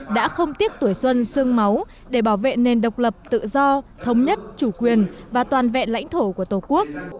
đã không tiếc tuổi xuân xương máu để bảo vệ nền độc lập tự do thống nhất chủ quyền và toàn vẹn lãnh thổ của tổ quốc